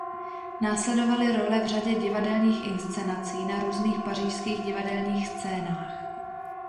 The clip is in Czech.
Následovaly role v řadě divadelních inscenací na různých pařížských divadelních scénách.